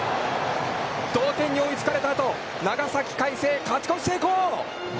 同点に追いつかれたあと、長崎海星、勝ち越し成功。